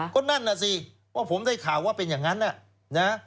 ก็นั่นน่ะสิว่าผมได้ข่าวว่าเป็นอย่างนั้นนะ